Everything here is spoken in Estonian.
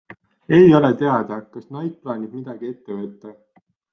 Ei ole teada, kas Nike plaanib midagi ette võtta.